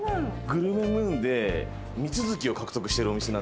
『グルメムーン』で三ツ月を獲得してるお店なんですね。